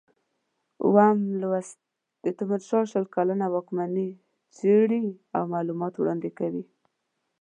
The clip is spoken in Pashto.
اووم لوست د تیمورشاه شل کلنه واکمني څېړي او معلومات وړاندې کوي.